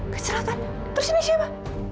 kecelatan terus ini siapa